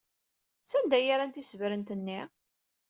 Sanda ay rran tisebrent-nni?